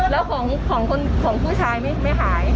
อ๋อแล้วของของคนของผู้ชายไม่ไม่หายอ๋อ